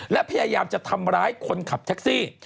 และพยายามจะทำร้ายคนขับแท็กซี่